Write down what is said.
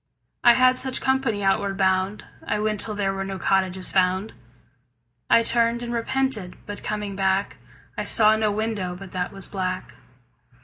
I had such company outward bound. I went till there were no cottages found. I turned and repented, but coming back I saw no window but that was black.